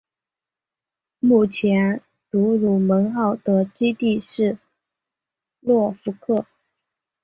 目前杜鲁门号的基地是诺福克。